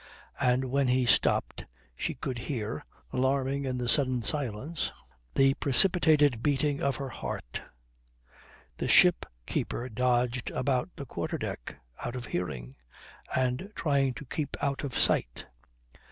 And when he stopped she could hear, alarming in the sudden silence, the precipitated beating of her heart. The ship keeper dodged about the quarter deck, out of hearing, and trying to keep out of sight.